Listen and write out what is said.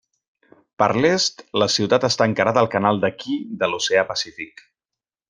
Per l'est, la ciutat està encarada al canal de Kii de l'oceà Pacífic.